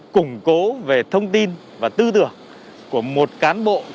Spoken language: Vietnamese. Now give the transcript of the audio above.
củng cố về thông tin và tư tưởng của một cán bộ công an